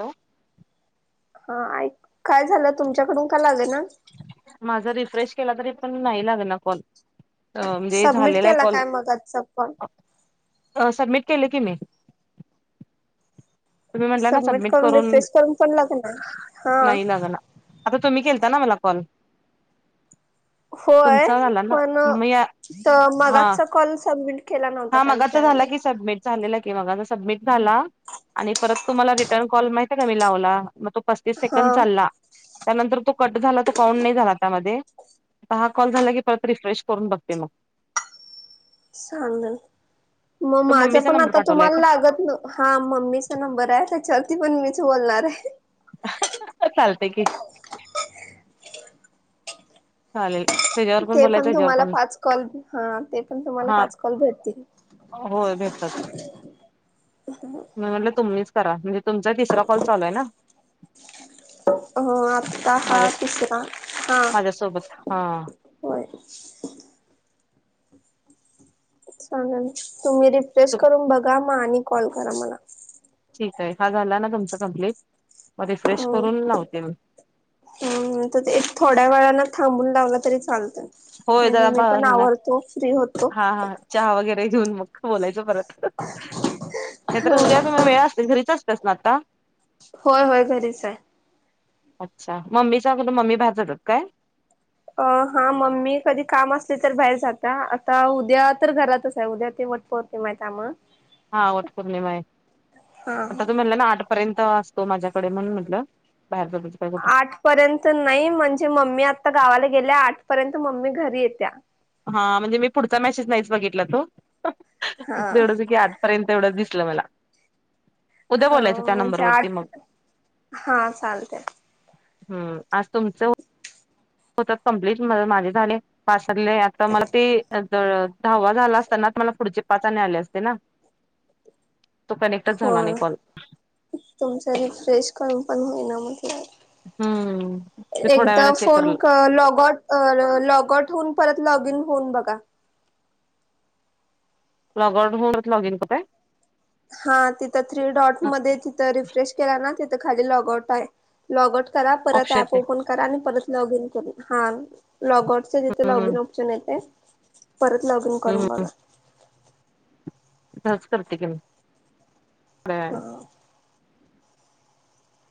Hello,, हा, ऐ, काय झालं तुमच्याकडून का लाग ना. माझा रिफ्रेश केला, तरी पण नाही लागला कॉल. म्हणजे सबमिट झालेला आहे केला कॉल, काय मग आजचा पण अं, सबमिट केलं की मी. तुम्ही म्हटलं ना सबमिट करून,, हा नाही लाग ना. आता तुम्ही केलता ना मला कॉल. होय तुमचा झाला ना पणऽ मी तर हा मगाजचा कॉल सबमिट केला नव्हता हा काय मगाचा झाला विचारालोय? की सबमिट झालेला कि, मगाचचा सबमिट झाला. आणि परत तुम्हाला रिटर्न कॉल, माहिती आहे का मी लावला, मग तो पस्तीस हा सेकंड चालला. त्यानंतर तो कट झाला तर, काौन नाही झाला त्यामध्ये. आता हा, कॉल झाला की परत रिफ्रेश करून बघते मग. सांगल,, मग तो माझं मम्मीचा पण नंबर आता पाठवलाय तुम्हाला लागत नऽ हा मम्मीचा नंबर आहे, त्याच्यावरती पण मीच बोलणार आहे, चालतय की. चालेल. त्याच्यावर ते बोलायचं पण ह्याच्यावर तुम्हाला पाच कॉल,, हा,, ते पण तुम्हाला हा पाच कॉल भेटतील. होय भेटतात. हो, मी म्हटलं तुमीच करा, म्हणजे तुमचा तिसरा कॉल चालूय ना. हो, आत्ता हा माझ्या तिसरा,, हा, माझ्यासोबत हा, होय,, चांगल तुम्ही रिफ्वेश करून बघा मग आणि कॉल करा मला ठीक आहे हा झाला ना तुमच कं्प्लीट मग रिफ्रेश हो करून लावतील ते एक थोड्या वेळाना थांबून लावलं तरी चालतं होय म्हणजे जरा मी बा पण ह्यांना आवरतो फ्री होतो हा हा, चहा वगैरे घेऊन,, मग बोलायचं परत. नाही तर उद्या तुम वेळ असतय, घरीच असतेस ना आता. होय होय, घरीच आहे. अच्छा,, मम्मी, सग त मम्मी कुठ भायर जातात काय? अ हा मम्मी कधी काम असली तर बाहेर जात्या,, आता उद्या तर घरातच आहे, उद्या ते वटपोऽ ते मा आय त्यामुळ हा वठ पौर्णिमा आहे हा आता तू म्हला ना आठ र्यंत असतो माझ्याकडे म्हणून म्हट बाहेर काय कुठं आठ पर्यंत नाही म्हणजे मम्मी आता गावाला गेल्या आठ पर्यंत मम्मी घरी येत्या हा म्हणजे मी पुढचा मेसेज नाहीच बघितला तो हा एवढं ज की आ र्यंत एवढं दिसलं मला उद्या हा बोलायचं त्या म्हणजे नंबरवरती आठ मग हा चालते हम् आज तुमचं होत कंप्लीट माझे झाले पास झाले आता मला ते तर धावा झाला असताना मला पुढचे पाचने आले असते ना. तो कनेक्टच झाला नाही कॉल तुमच रिफ्रेश करम पण होईना म्हधलं हम्म ते थोड्या एकदा वेळा चेक कर फोन लॉगट अ लॉग आऊट होऊन परत लॉग इन होऊन बघा. लग आउट होऊ न लग इन को हा तिथं थ्री डॉट मध्ये तिथं रिफ्रेश केला ना तिथं खाली लॉग आउट आहे. लॉगऊट करा परत ऑप्शन ऍप येते ओपन करा आणि परत लॉग इन करा हां. लॉगउटचं जिथे लॉग हम्म इन ऑप्शन येते परत लॉग इन हम्म करून बघा. संस्कृतीिकून ब हा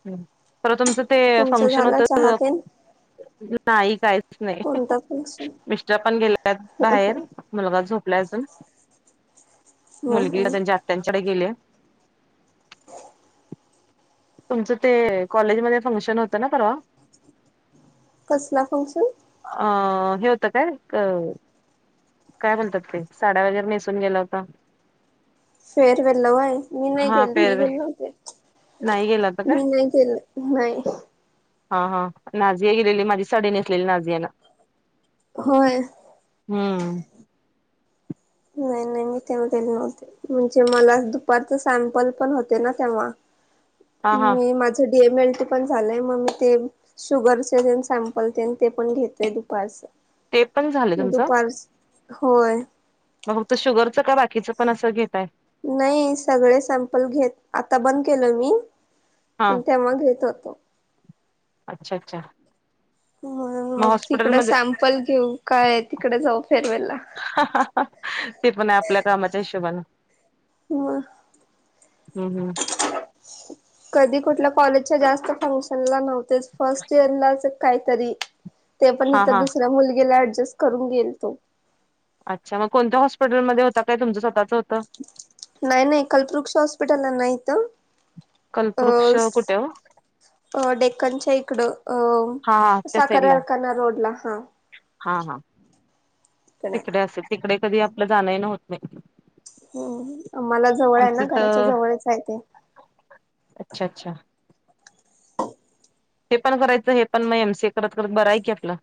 खरं तुमचं ते तुमचं फंक्शन झाला होतं. चहा तेन नाही काहीच नाही कोणता फंक्शन मिस्टर पण गेलेत बाहेर मुलगा झोपला अजून ह मुलगी ह त्यांच्या आत्यांच्याडे गेली. तुमचं ते कॉलेजमध्येध्ये फंक्शन होतं ना परवा कसला फक्शन अ हे होतं काय? काय बोलतात ते साड्या वगेरे नेसून गेला होता. फेरवेेलवय मी नाही हा गेल मी फेअरवेल गेल नव्हते. नाही गेला होता काय मी नाही केलं नाही. हा हा नाझीया गेलेली माझी सडी नेसलेली नाझियाना होय हम्म नाही नाही मी तेव्हा गले नव्हते म्हणजे मला दुपारच सॅम्पल पण होते ना तेव्हा हा हा मी माझं डीएम एल पण झालंय मग ते शुगरचे सॅम्पल ते पण घेतय दुपारच. ते पण झालं तुमचं दुपार होय. मग फक्त शुगरचं का बाकीचं पण असं घेतय. नाही सगळे सॅम्पल घेत आता बंद केलं मी हा पण ते मग घेत होतो. अच्छा अच्छा मग तिकड सॅम्पल घेऊ कायय तिकडे जाऊ फेरवेल ला हा हा हा ते पण आपल्या कामाच्या हिशोबान मग हम् हम्. कधी कुठल्या कॉलेजच्या जास्त फंक्शन ला नव्ह तेच फर्स्ट इयरलाच काहीतरी ते पण हा इथं हा दुसऱ्या मुलगीला ऍडजस्ट करून गेलतो. अच्छा मग कोणत्याॉस्पिटलमध्ये होता काय तुमचं स्वतचं होतं. नाही नाही कल्पृक्ष हॉस्पिटलला नाहीत. कल्वृक्ष कुठे अ डेकनच्या इकडं हा हा अ त्या साख साईडला कारखाना रोडला हा हाक हा तिकडे असेल तिकडे कधी आपलं जाण न होत नाही. हम् मला जवळ आहे ना आमचं घराच्या तर जवळच आहे ते. अच्छा अच्छा ते पण करायचं हे पण मग एमसीए करत करत बराय की आपलं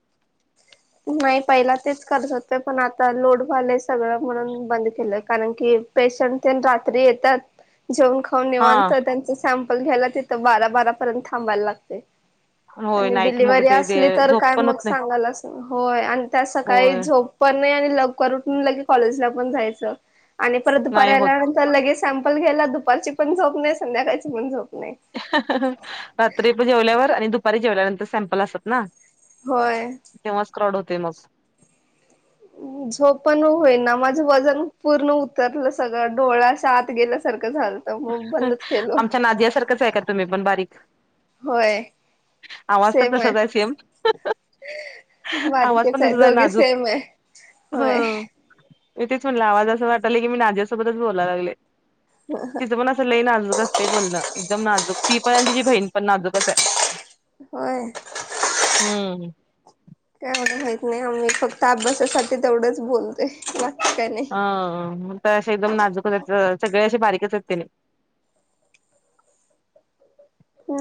नाही पहिला तेच करत होते पण आता लोड झालय सगळं म्हणून बंद केलय. कारण की पेशंट तेन रात्री येतात जेवून खाऊन हा निवांत त्यांच- सॅम्पल घ्यायला तिथं बारा बारा पर्यंत थांबायला लागतंय. होय आणि नाईट मग डिलिव्हरी ते ते असली तर झोप काय पण होत मग नाही सांगायलाचं होय आणि त्यात सकाळी होय झोप पण नाही आणि लवकर उठून लगेचं कॉलेजला पण जायचं आणि परत दुपारी नाही होत आल्यानंतर लगेच सॅम्पल घ्यायला दुपारची पण झोप नाही संध्याकाळची पण झोप नाही. रात्रीचं जेवल्यावर आणि दुपारी जेवल्यानंतर सॅम्पल असत ना. होय. तेव्हा स्क्रॉड होतंय मग. [unintelligible] झोप पण होईना माझं वजन पूर्ण उतरलं सगळं डोळे असे आत गेल्यासारखं झाल. आमच्या नाजीयासारखंच आहे का तुम्ही पण बारीक? होय. आवाज तर तसाच आहे सेम. आवाज बारीकच पण आहे तसाच दोघी नाजूक सेम आहे ह होय. मी तेच म्हणला आवाज असं वाटालाय की मी नाजिया सोबतच बोलाय लागलोय. हा हा. ती पण असं लयं नाजूक असतंय बोलण एकदम नाजूक ती पण तिची बहीण पण नाजूकच आहे. होय. हम्म. काय मला माहित नाही आम्ही फक्त अभ्यासासाठी तेवढंच बोलतोय बाकी काय नाय. हा म ते असे एकदम नाजूकच आहेत सगळे असे बारीकच आहेत तेनी.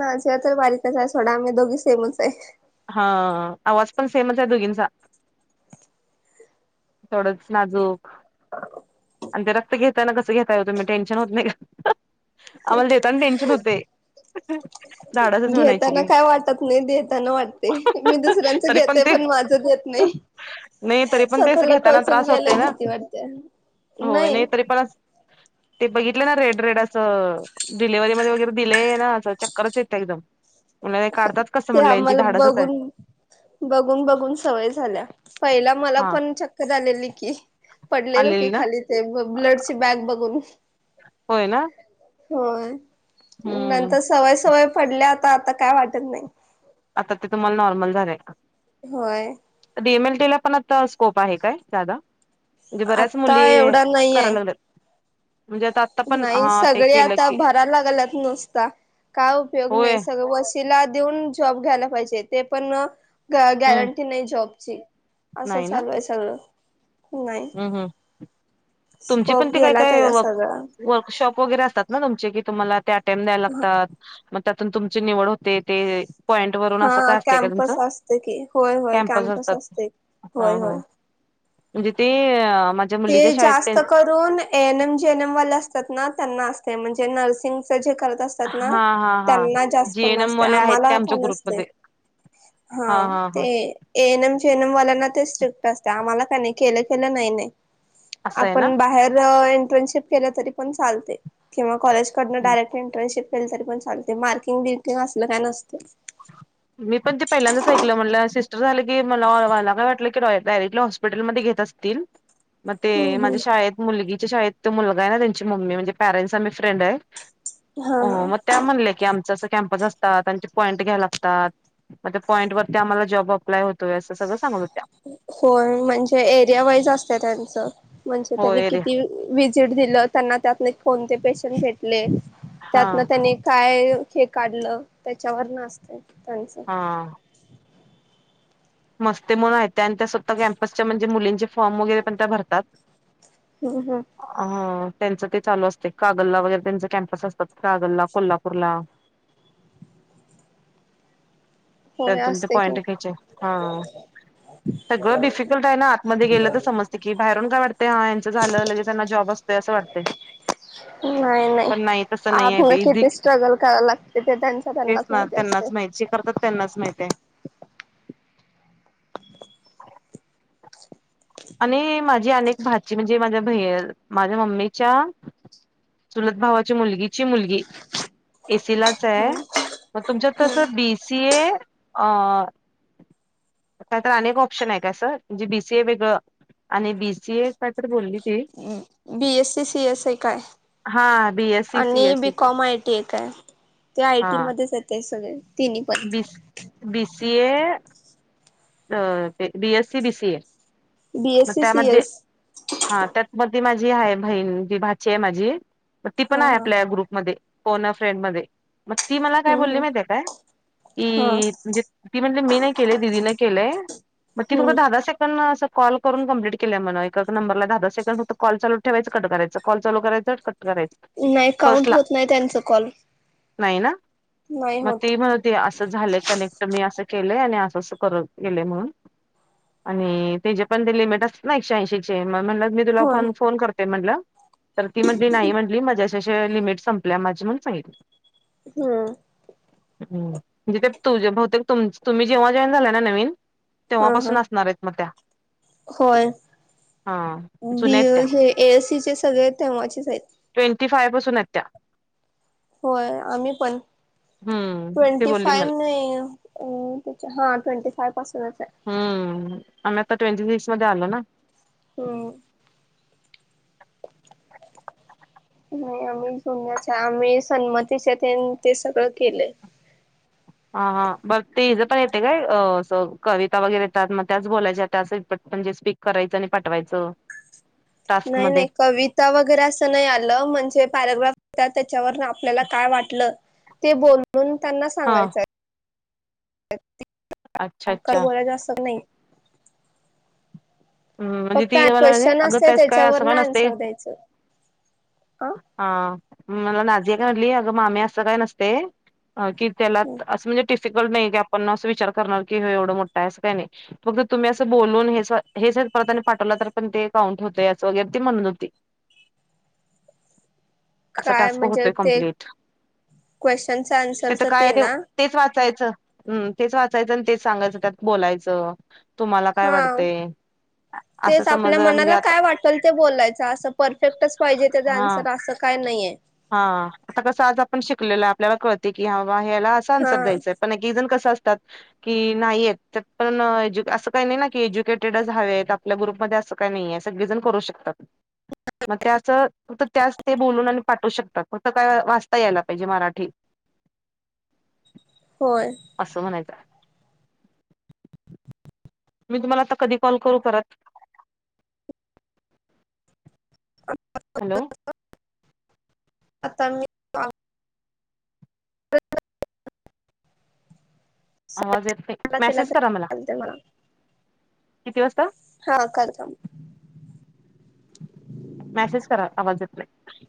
नाजिया तर बारीकच आहे सोडा आम्ही दोघी सेमच आहे. हा आवाज पण सेमच आहे दोघींचा. तेवढंच नाजूक आणि ते रक्त घेताना कसं घेताय ओ तुम्ही टेन्शन होत नाही का आम्हाला देेताना टेन्शन होतंय. [unintelligible] घेताना काय वाटत नाही देताना वाटतंय मी दुसऱ्यांचं तरी घेते ते पण माझं देत नाही नाही तरी पण ते असं स्वतःला घेताना टोचून त्रास होतोय घ्यायला ना भीती वाटते. होय नाही तरी पण असं ते बघितल ना रेड-रेड असं डिलीवारी मध्ये वगैरे दिलय ना असं चक्करच येत्या एकदम लयं काढतात कसं ते म्हणलं यांची आम्हाला धाडसच आहे बघून बघून बघून सवय झाल्या पहिला मला हा पण चक्क कर आलेली की पडलेलो की आलेली ना खाली ते ब ब्लडची बॅग बघून. होय ना. होय हम्म नंतर सवय सवय पडल्या आता आता काय वाटत नाही. आता ते तुम्हाला नॉर्मल झालंय का? होय. डी एम एल टीला पण आता स्कोप आहे काय जादा? म्हणजे बऱ्याच मुली आता एवढा नाही कराय आहे लागल्याात. नाही सगळे केलं आता की भरा लागेलात नुसता काय उपयोग होय नाही सगळ वस् तिला देऊन जॉब घ्यायला पाहिजे ते पण ग हम्म गॅरंटी नाही जॉबची असं नाही ना चालू आहे सगळं. नाही हम्म हम्म तुमचे पण स्कोप ते काय गेला काय त्याचा वर्क सगळा. वर्कशॉप वगैरे असतात ना तुमचे की तुम्हाला त्या अटेंम्प द्याय लागतात. म त्यातून तुमची निवड होते ते पॉईंट वरून असं हा काय असतंय काय कॅम्पस तुमचं असते की होय होय कॅम्पस असतात असते हा होय हा होय म्हणजे ते म. ते जास्त कर. N M J N M वा असतात ना त्यांना अस म्हणजे नर्सिंग जे करत अस. ना हा हा हा त्यांना जास्त कोण जीएनएम नसते वाले आहेत ते आम्हाला आमच्या का नसते. ग्रुपमध्ये हा ते ए एन एम ेनम वाला ना ते स्ट्रिक्ट असत आम्हाला काही नाही केलं खेलं नाही नाही. असं आहे ना. आपण बाहेर इंटर्नशिप केल्या तरी पण चालते किंवा कॉलेज. कडन डायरेक्ट इंटर्नशिप केली तरी प ल मार्कंग बिर्किंग असलं काय नसते. मी पण ते पहिल्यांदच ऐकलं म्हटलं सिस्टर झालं की मलाला काय वाटलं की डायरेक्टली हॉस्पिटलमध्ये घेत असतील ह [inaudible] मग ते माझ्या शाळेत मुलगीच्या शाळेत तो मुलगा आहे ना त्यांची मम्मी म्हणजे पॅरेंट्स आमही फ्रेंड आहे. हा हो हा मग त्या म्हणले की आमचं अस कॅम्पस असतात त्यांचे पॉइंट घ्यायलागत. पॉईंट वरती आम्हाला जॉब अप्लाय होतोय असं सगळं सांग. हो म्हणजे एरिया वाईज असत त्यांचं म्हणजे त्यांनी होय रे किती. विजिट दिलं त्यांना त्यातन कोणते पेशंट भेटले हा त्यातन त्यांनी. काय हे काढलं त्याच्यावर नचत त्यांचं. हा. मस्ते मण आहेत त्या आणि त्या स्तः कॅम्पसच्या म्हणजे मुलींचे फॉर्म वगैरे पण त्या भरतात. हम हं [unintelligible] अ त्यांचं ते चालू असते कागलला वगैरे त्यांच कॅम्पस असतात कागलला कोल्हापूरला. होय त्यातून ते असते पॉइंट की घ्यायचे हा. सगळं डिफिकल्ट आहे ना आतमध्ये गेलं तर समजते की बाहेरून काय वाटते हा. झालं लगेच त्यांना जॉब असतं असं वाटते. नाही नाही पण तसं नाही आहे आपन ते इझी किती स्ट्रगल करावं लागते ते त्यांचा त्यांना. तेच ना त्यांनाच माहिती ज करतात त्यांनाच माहित आहे. आणि माझी अनेक भाची म्हणजे माझ्या ब माझ्या मम्मीच्या. सुलत भावाची मुलगीची मुलगी एसीलाच आहे. मग तुमच्यातसं बीसी ए अ. काय तर अनेक ऑप्शन आहे काय सर म्हणजे बीसीए वेगळं. आणि बीसीए प्र बोलली ती. बीएस सी सीएस काय. हा बीएससी आणि सीएससी बीकॉम आय टी एक आहे ते आय टी मध्येच येत सगळे. तिन्ही पण बीस बी सीए. अ ते बीएससी बीसी ए मग बीएससी त्यामध्ये. सीएस हा त्यात म माझी आहे बहीण जी भाची आहे माझी. मग ती पण हा आहे हा आपल्या ग्रुपमध्ये पोण फ्रेंड मध्ये. मग ती मला काय हम्म बोलली हम्म माहितीे काय हा की म्हणजे ती म्हट मी नाही केले दिदीला. केय मग त फक्त दहा हम्म दहा सेकंड. कॉलून क्प्लीट केल्याण एका नंरला दहा द सेकंड फक्त कलचाू ठेवायं करायं कॉलचाल करायं कराचं. नाही काउंट होत नाही त्यांच कॉल नाही ना नाही मग होत. ते म्हणते असं झाले कनेक्ट मी असं केलंय आणि असं असं करत. गेले म्हणून आणि त्याचपन ते लिमिट असत ना एकशे ऐंशी चे तुला होय पन फोन करते म्हणलं तर ती म्हटली नाही म्हटली माझ्या अशा अशा लिमिट संपल्या माझी म्हणून सांगितले. हमम. हमम म्हणजे ते तुझे बहुतेक तुम्ही जेव्हा जेव्हा झाला ना नवीन हा हा तेव्हापासून असणार आहेत मग त्या होय हा दी जुन्या आहेत त्या हे. एसीचे सगळे तेव्हाचेच आहेत. ट्वेन्टी फाय पासून आहेत त्या. हो आम्ही पण हम्म ती ट्वेंन्टी बोलली फाय मला नाही. अ त्याच्या हां ट्वेंन्टी फाय पासूनच ये. हम्म आन आता ट्वेंन्टी सिक्स मध्ये आलो ना. हम्. नाही आम्ही जुन्याच्या आम्ही सन्मतीच्या ते ते सगळं केलंय. हा हा बघ ते इथे पण येते काय अस कविता वगैरे येतात मग त्याच बोलायच्या असं त्यात म्हणजे स्पिकरये त्यानी पाठवायचं. टास्क नाही मध्ये नाही कवित त्या वगैरे असं नाही आलं म्हणजे पॅरग्राफमधे त्याच्यावर आपल्याला काय वाटलं ते बोलून त्यांना हा सांगायचं ये. अच्छा अच्छा [unintelligible] हम् म्हणजे फक्त ती मला म्हणजे क्वेश्चन अग असते त्यास काय अस त्याच्यावर काय ना नसतंय. आन्सर द्यायचं. अ हा मला नाझीया काय म्हणाली, अगं मामी असं काही नसते. की त्याला अस म्हणजे टीप गरज नाही की आपण असं विचार करणार की, हो एवढं मोठा आहे असं काही नाही फक्त तुम्ही असं बोलून हे अस हे सरांनी परत पाठवलं तर, पण ते काउंट होतय असं वगैरे ती म्हणत होती. असा काय टास्क म्हणजे होतोय ते, कंप्लीट क्वेश्चनचा आन्सर तिथं असत काय ते आहे ना? तेच वाचायचं हम् तेच वाचायचं आणि तेच सांगायचं त्यात बोलायचं तुम्हाला काय हा. वाटत ये? तेच आपल्या मनाला काय वाटेल ते बोलायचं असं परफेक्टच पाहिजे त्याच हा आन्सर असं काय नाहीये. हा आता कसं आज आपण शिकलेलोय आपल्याला कळते की ह्याला असं हा आन्सर द्यायचं आहे. पन गी जण कसे असतात. की नाही येत त्यात पण एजु असं काही नाही ना की एज्युकेटेडच हवेत आप आपल्या ग्रुपमधे असं काही नाहीे सगळेजण करू शकतात. मग त्याच फक्त त्यात ते बोलून आणि पाठू शकतात, फक्त काय वाचता यायला पाहिजे मराठी होय. असं म्हणायचं. मी तुम्हाला आता कधी कॉल करू परत? हॅलो. आता मी आवाज येत नाही, मेसेज करा मला. म्ह किती वाजता? हा करते मी. मॅसेज करा, आवाज येत नाही.